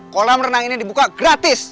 kolam renang ini dibuka gratis